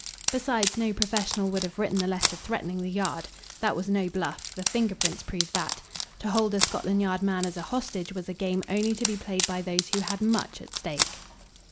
Besides, no professional would have written the letter threatening the Yard. That was no bluff the finger prints proved that. To hold a Scotland Yard man as a hostage was a game only to be played by those who had much at stake.